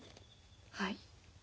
はい。